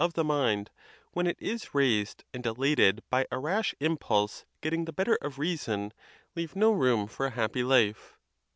169 the mind, when it is raised and elated by a rash impulse, getting the better of reason, leave no room for a happy life.